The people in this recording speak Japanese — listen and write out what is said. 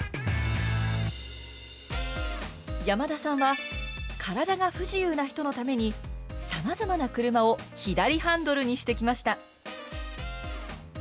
山田さんは体が不自由な人のためにさまざまな車を左ハンドルにしてきました。